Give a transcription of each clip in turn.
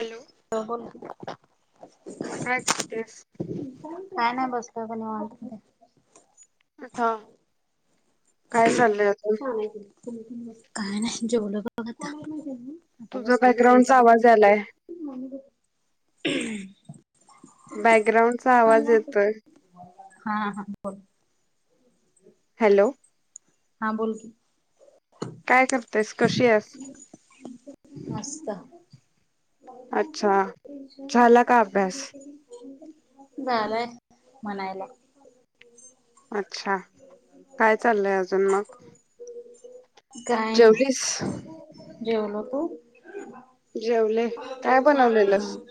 Hello बोल की काय करतेस काय नाही बसलोय पण हा [unintelligible] काय चाललंय आता काय नाही जेवल बघ आता आता तुझा बसलेलो हेस बॅकग्राउंडचा आवाज आलाय बघत बॅकग्राउंडचा आवाज येतोय. हा हा बोल हॅलो हा बोल की काय करतेस. कशी आहेस. मस्त अच्छा झाला का अभ्यास झालय म्हणायला अच्छा काय चाललंय आजुन काय नाही. जेवलीस जेवलो तू. जेवले काय बनवलेलंस हम्म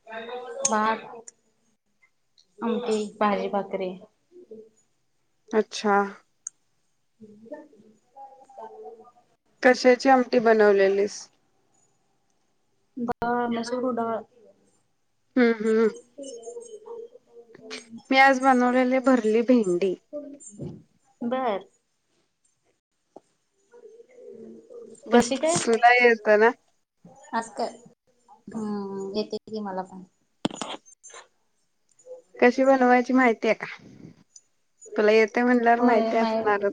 [unintelligible] आमटी भाजी भाकरी. अच्छा. [inaudible] कशाची आमटी बनवलेलीस. डळ मसूर डळ. [inaudible] हम्म हम्म मी आज बनवलेले भरली भेंडी. बर भर कशी काय. तुला येतं ना आज कर हम्म येते की मला पण. कशी बनवायची माहिती आहे का. तुला येतंय म्हणल्यावर होय माहिती असणारच.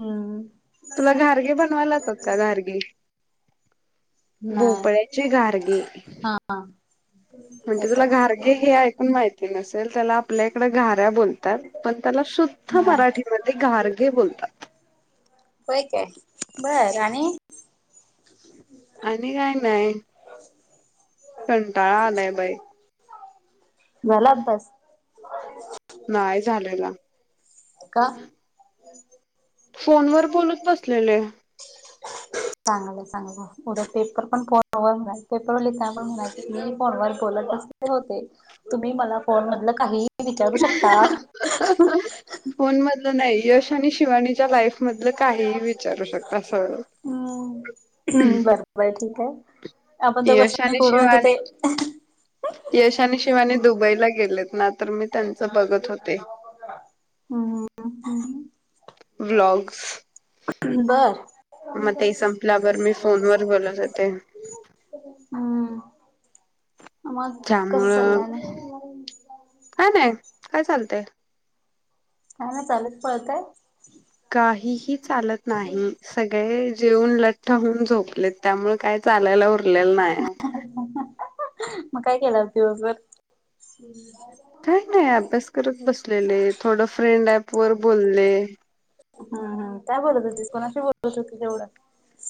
हम तुला घारगे बनवायला येतात का घारगे. नाही भोपळ्याचे घारगे हा. म्हणजे तुला येतात घारगे हे ऐकून माहिती नसेल त्याला आपल्या इकडे गऱ्या बोलतात. पण त्याला शुद्ध हा मराठीमध्ये घारघे बोलतात. होय काय बरं आणि. [inaudible] आणि काय नाही. [inaudible] कंटाळा आलाय बाई. झाला अभ्यास. नाही झालेला. का [inaudible] फोनवर बोलत बसलेले [inaudible] चांगल चांगलय उद्या पेपर पण फोनवर पेपरवरि पण मी फोनवर बोलतच होते तुम्ही मला फोन मधल काहीही [unintelligible] फोन मधलं नाही यश आणि शिवानीच्या लाईफमधलं काहीही विचारू शकता सगळ. हम्म बरं बरं ठीक आहे. यश आणि आपण [unintelligible] शिवानी तिथे. [inaudible] यश आणि शिवानी दुबईला गेलेत ना तर मी त्यांचं बघत होते हम ह. ब्लॉग्स. बरं [inaudible] संपल्यावर मी फोनवर बोलत होते हम् मग कसं त्यामुळं चाललंय आणि. काय नाही काय चालतय. हा ना चालेूच पळतय. काहीही चालत नाही. सगळे जेऊन लठ्ठ होऊन झोपलेत त्यामुळे काय चालायला उरलेलं नाही. मग काय केलं आज दिवसभर. काही नाही अभ्यास करत बसलेले थोडं फ्रेंड ऍप वर बोलले. हम् हम काय बोलत होतीस कोणाशी बोलत होते एवढं.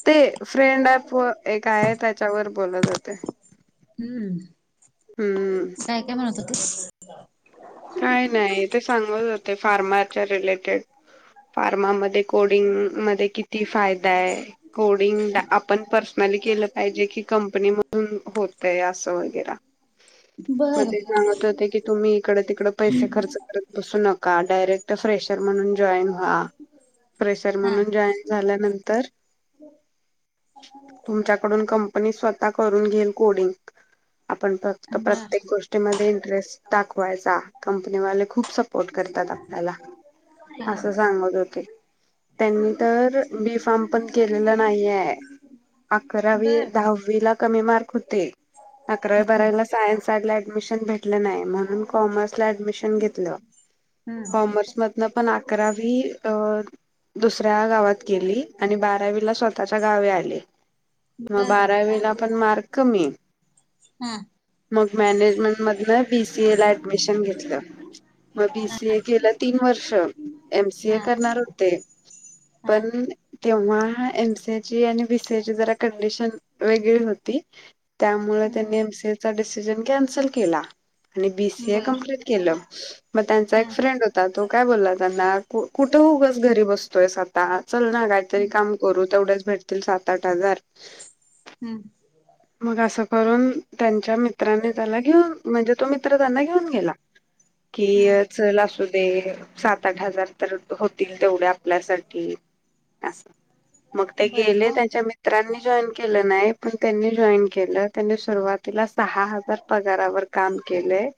ते फ्रेंड ऍप व एक आहे त्याच्यावर बोलत होते. हम्म. हम्म. काय काय म्हणत होतीस. [inaudible] काय नाही, ते सांगत होते फार्मारच्या रिलेटेड. फार्मा मधे, कोडिंग मध्ये, किती फायदा आहे? कोडिंग आपण पर्सनली केलं पाहिजे, की कंपनी मधून होतय असं वगैरेऽ मग बर. ते सांगत होते, की तुम्ही इकड, तिकड पैसे खर्च करतऽ बसू नका, डायरेक्ट फ्रेशर म्हणून जॉईन वाऽ प्रेसर हा म्हणून जॉईन झाल्यानंतरऽ तुमच्याकडून कंपनी स्वतः करून घेईल कोडिंग. आपण फक्त बर प्रत्येक गोष्टीमध्ये इंटरेस्ट दाखवायचा. कंपनी वाले खूप सपोर्ट करतात आपल्याला,,, हा असं सांगत होते. त्यांनी तर, बी फार्म पण केलेलं नाही आहेे. अकरावी, बर दहावी ला कमी मार्क होते. अकरावी, बारावीला सायन्स साईडला ऍडमिशन भेटले नाही,, म्हणून कॉमर्सऽ ऍडमिशन घेतलं हम्म हम्म कॉमर्स मधन पण अकरावी दुसऱ्या गावात गेली आणि बारावीला स्वतःच्या गावे आले मग बर बारावीला पण मार्क कमी हा मग मॅनेजमेंट मध बीसीए ला ऍडमिशन घेतलं मग बीसी ए केलं तीन वर्ष एमसी ए हा करणार होते हा पणऽ तेव्हा एम, सी, एक, ची आणि बी, सी, ए, ची जरा कंडिशन वेगळी होती. त्यामुळे त्यांनी हम्म एमसीएचा डिसिजन कॅन्सल केला,, आणि बीसीए बर कप्लीट केलं. मग त्यांचा हा एक हम्म फ्रेंड होता,, तो काय बोलला त्यांना, कुठं उगच घरी बसतोयसऽऽ चल ना काहीतरी काम करू, तेवढेच भेटतील सात, आठ हजार. हम्म, मग असं करून, त्यांच्या मित्रांनी त्याला घेऊन, म्हणजे तो मित्र त्यांना घेऊन गेला. कि, हम्म चल असू दे, सात आठ हजारऽ तर होतील तेवढ्या आपल्यासाठी,, अस,, मग ते बर गेले मग त्यांच्या मऽ मित्रांनी जॉन केलं नाही, पण त्यांनीऽ जॉईन केल, त्यांनी सुरुवातीला सहा हजार पगारावर काम केलयऽ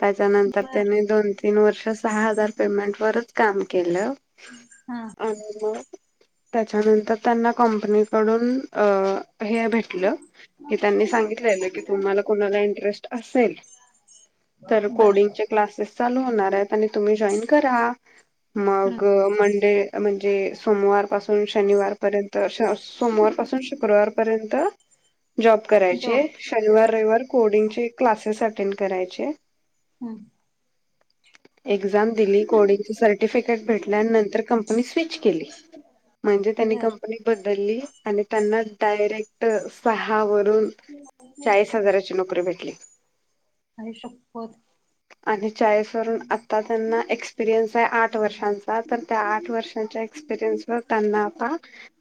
त्याच्यानंतर बर त्यांनी दोन तीन वर्ष सहा हजार पेमेंट वरच काम केलं. हां, आणि मग त्याच्यानंतर त्यांना कंपनीकडून हे भेटलं. कि त्यांनी सांगितलेलं की तुम्हाला कोणाला इंटरेस्ट असेलऽ तर बर कोडिंगचे क्लासेस चालू होणार आहेत, आणि तुम्ही जॉईन करा. हम्म मगऽ मंडे म्हणजे, सोमवार पासून शनिवारपर्यंत. सोमवार पासून शुक्रवार पर्यंत जॉब करायचे,, जॉब शनिवारऽ कोडींगचे क्लासेस अटेंड करायचेऽ हम्म एक्झाम दिली, कोडिंग सर्टिफिकेट भेटल्या नंतर कंपनी स्विच केली. म्हणजे त्यांनी बर कंपनी बदलली, आणि त्यांना डायरेक्टऽ सहा वरून, चाळीस हजाराची नोकरी भेटली. आई शप्पथ! ह आणि चाळीस वरून आता त्यांना एक्सपिरियन्स आहे आठ वर्षांचा,, तर त्या आठ वर्षांच्या एक्सऽ त्याना आता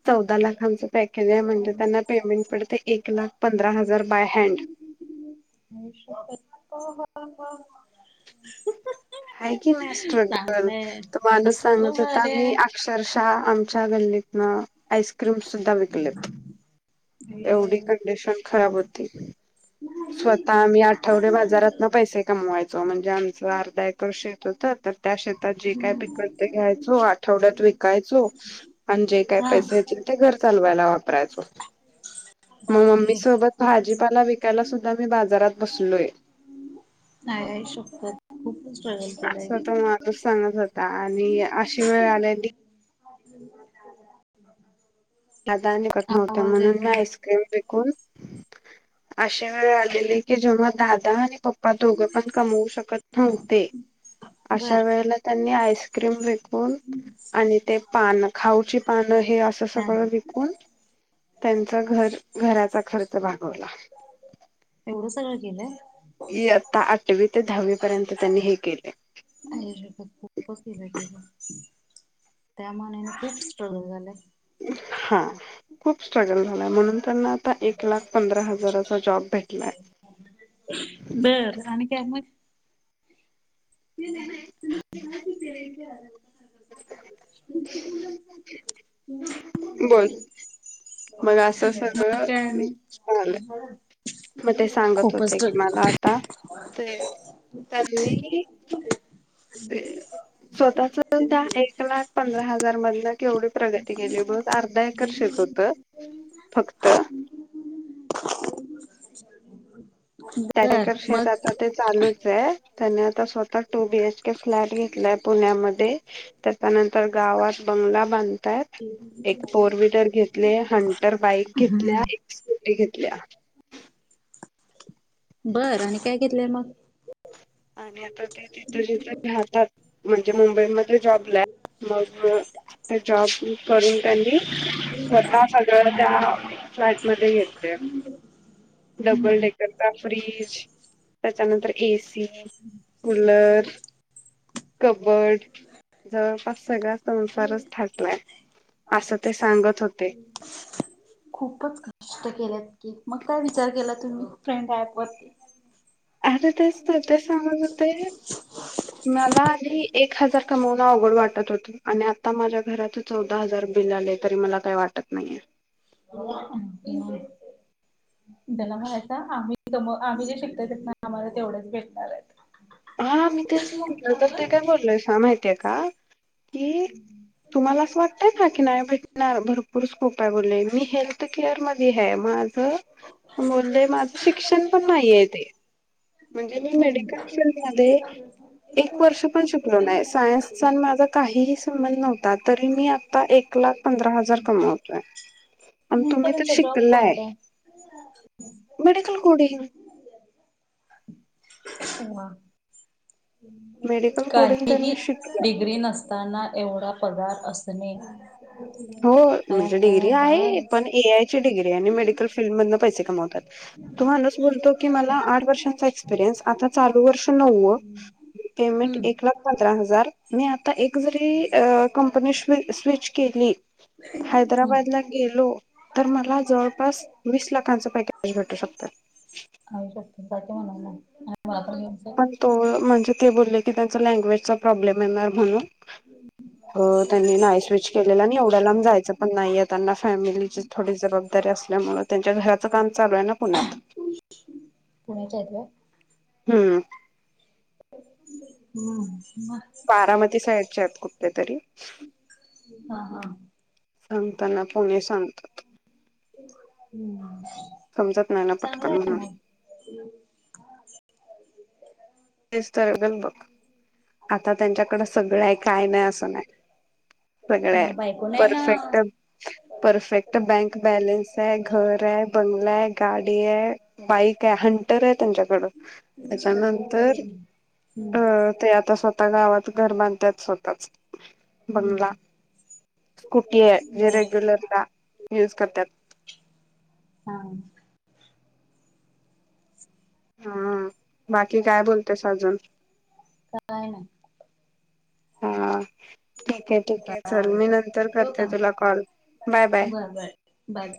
चौदा लाखांचं पॅकेज आह, म्हनजे त्यांना पेमेंट ऽ पण ते एक लाख पंधरा हजार बाय हँड. आई शप्पथ! आहे की नाही स्ट्रगल,, चांगलंय तर मानुस कसलं सांगत होता, भारी मीऽ आहे. अक्षरशः, आमच्या गल्लीतन आईस्क्रीम सुद्धा विकलेत. एवढी कंडिशन खराब होती. स्वतः आम्ही आठवडे बाजारात ना पैसे कमवायचो,, म्हणजे आमचं अर्धा एकर शेत त ऽ तर त्या शेतात जे काय हा पिकत ते घ्यायचो आठवड्यात विकायचो आणि जे काय पैसे येतील ते घर चालवायला वापरायचं मग मम्मी बापरे सोबत भाजीपाला विकायला सुद्धा मी बाजारात बसलोय नाही आईशप्पथ कुठून कळेल असं त मालाच सांगत होता आणि अशी वेळ आलेली [inaudible] साध नििकत नव्हत आवाज येत म्हणून मी नाही आईस्क्रीम विकून अे वेळ आलेले की जेव्हा दादा आणि पप्पा दोघं पण कमवू शकत नव्हते बर अशा वेळेला त्यांनी आईस्क्रीम विकून आणि ते पान खाऊची पान हे अस हा हा विकून त्यांचा घर घराचा खर्च भागवला एवढं सगळं केलंय इयत्ता आठवी ते दहावी पर्यंत त्यांनी हे केलेय. आई शप्पथ! खूपच केलय ग. त्या माना्याने खूप स्ट्रगल झालेय. हा खूप स्ट्रगल झाला म्हणून त्यांना आता एक लाख पंधरा हजार अस जॉब भेटलाय बर आणि काय मग ते नाही [unintelligible] मग बोल मग असं सगळं काय आणि झालंय. मग ते सांगत खूपच होते कि मला स्ट्रगल आता ते त्यांनी [unintelligible] स्वतःच त्या एक लाख पंधरा हजार मधन केवढी प्रगती केली म्ह अर्धा एकर शेत होत फक्त चार बर एकर मग शेतात ते चालूच आहे त्याने आता स्वतः टू बीएच के फ्लॅट घेतलाय पुण्यामध्ये त्याच्यानंतर गावात बंगला बांध तात एक फोर व्हीलर घेतले हंटर बाईक हम्म घेतल्या एक स्कूटी घेतल्या बरं आणि काय घेतलंय मग आणि आता ते तिथं जिथे राहतात म्हणजे मुंबईमध्ये जॉबला मग ते जॉब करून त्यांनी स्वतः सगळं त्या फ्लॅट मध्ये येते डबल हम्म डेकरचा फ्रीज त्याच्यानंतर एसी कुलर कबड जवळपास सगळा संसारच थाटलाय असं ते सांगत होते खूपच ख कष्ट केल्यात की मग काय विचार केला तुम्ही फ्रेंड ऍप वरती अरे तेच तर ते सांगत होते मला आधी एक हजार कमवण अवघड वाटत होतं आणि आता माझ्या घरात चौदा हजार बिल आले तरी मला काही वाटत नाहीये [unintelligible] त्याला म्हणायच आम्ही स आम्ही जे शिकत ना आम्हाला तेवढेच भेटणार आहेत हा मी तेच बोलल तर ते काय बोललोय सा माहितेय का की तुम्हाला असं वाटतय का की नाही भेटणार भरपूर स्कोप आहे बोले मी हेल्थ केअर मध्ये आहे मा मु माझं शिक्षण पण नाहीय ते म्हणजे मी मेडिकल हम्म. फीलड मध्ये एक वर्ष पण श नाही सायन्सचा माझा काहीही संबंध नव्हता तरी मी आता एक लाख पंधरा हजार कमावतोय आणि नेमका तुम्ही तर त्यांचा जॉब शिकलाय कोणता मेडिकल कुठेय म अ.. हम्म. मेडिकल कोडिंग काहीही त्यांनी शिकलं डिग्री नसताना एवढा पगार असणे. हो हा म्हणजे हा डिग्री आहे बस. पण ए, आय, ची डग्री आणि मेडिकल फीलल्डमधून पैसे कमवतात. तो माणुस बोलतो की मला आठ वर्षांचा एक्सपिरियन्स आता चालू वर्ष नवव पेमेंट हम्म एक लाख पंधरा हजार मी आता एक जरी कंपनी स्विच केली हम्म. हैदराबादला गेलो तर मला जवळपास वीस लाखांचं पॅकेज भेटू शकत. आ शकत त्या म्हणून नाही आणि मला पण घ्यायचंय पण तो म्हणजे ते बोलले की त्यांचा लँग्वेजचा प्रॉब्लेम येणार म्हणून हो त्यांनी नाय केलेला आणि एवढ्याला जायचं पण नाही आहे त्यांना फॅमिलीची थोडी जबाबदारी असल्यामुळे त्यांच्या घराच काम चालू आहे ना पुण्यात आता. पुण्याच्या का? हम्म. हम्म म. बारामती साईडच्या आहेत कुठ तरी. हा हा. सांगताना पुणे सांगतात. हम्म [unintelligible] समजत नाही ना पटकन म्हणून ह [unintelligible] तेच तर गल बघ आता त्यांच्याकडे सगळं आहे काय नाही असं नाही. सगळ्या न आहे बायको नाही ना परफेक्ट परफेक्ट बँक बॅलन्स आहे, घर आहे, बंगला आहे, गाडी आहे, बाईक आहे, हंटर आहे त्यांच्याकड ति सधरा [unintelligible] तर अ ते आता स्वतः गावात घर बांधतात स्वतःच. हम्म. स्कुटी आहे जे बर रेग्युलरला युज करतात. हा. हा बाकी काय बोलतेस अजून? काय नाही. हा. ठीक आहे, ठीक आहे चल मी चालतंय. नंतर ठेवू करते का तुला मग? Call bye, bye. बरं बरं. Bye, bye.